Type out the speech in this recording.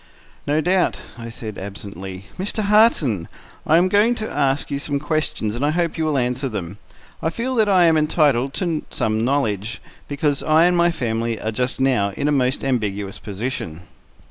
"No doubt," I said absently. "Mr. Harton, I am going to ask you some questions, and I hope you will answer them. I feel that I am entitled to some knowledge, because I and my family are just now in a most ambiguous position."